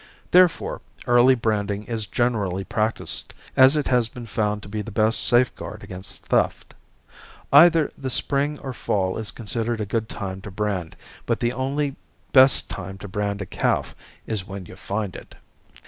Therefore early branding is generally practiced as it has been found to be the best safeguard against theft. Either the spring or fall is considered a good time to brand, but the only best time to brand a calf is when you find it.